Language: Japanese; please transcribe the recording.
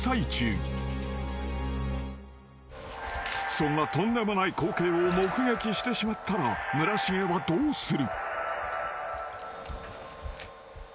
［そんなとんでもない光景を目撃してしまったら村重はどうする？］